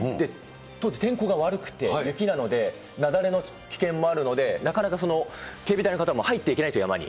当時、天候が悪くて、雪なので、雪崩の危険もあるので、なかなか警備隊の方も入っていけないんですよ、山に。